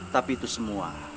tapi itu semua